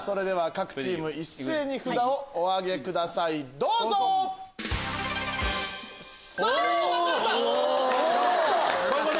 それでは各チーム一斉に札をお挙げくださいどうぞ！さぁ分かれた！